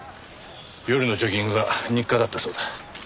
夜のジョギングが日課だったそうだ。